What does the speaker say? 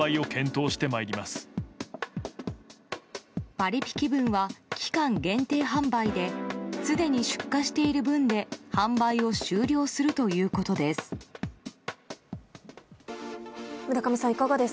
パリピ気分は期間限定販売ですでに出荷している分で販売を終了するということです。